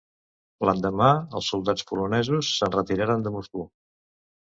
L'endemà, els soldats polonesos se'n retiraren de Moscou.